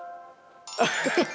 アッハハ！